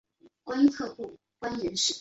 阳明学在幕府中下武士阶层中非常流行。